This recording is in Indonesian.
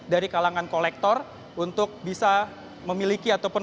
dari kalangan kolektor untuk bisa memiliki ataupun